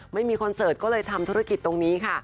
คอนเสิร์ตก็เลยทำธุรกิจตรงนี้ค่ะ